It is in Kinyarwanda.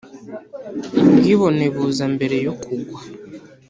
ubwibone buza mbere yo kugwa